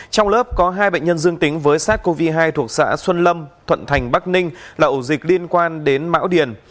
trong lớp có hai bệnh nhân dương tính với sars cov hai thuộc xã xuân lâm thuận thành bắc ninh là ổ dịch liên quan đến mão điền